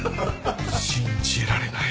信じられない。